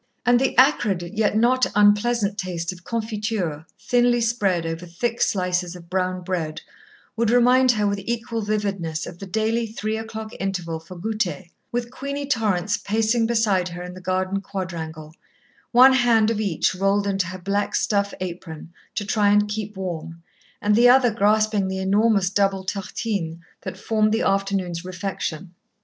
And the acrid, yet not unpleasant taste of confiture thinly spread over thick slices of brown bread, would remind her with equal vividness of the daily three o'clock interval for goûter, with Queenie Torrance pacing beside her in the garden quadrangle, one hand of each rolled into her black stuff apron to try and keep warm, and the other grasping the enormous double tartine that formed the afternoon's refection.